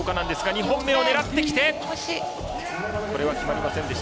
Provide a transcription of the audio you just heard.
２本目を狙ってこれは決まりませんでした。